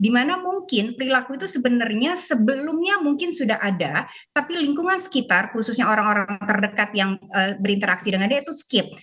dimana mungkin perilaku itu sebenarnya sebelumnya mungkin sudah ada tapi lingkungan sekitar khususnya orang orang terdekat yang berinteraksi dengan dia itu skip